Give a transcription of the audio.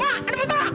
ma ada bentar